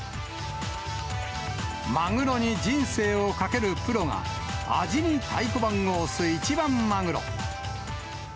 マグロに人生をかけるプロが、味に太鼓判を押す一番マグロ。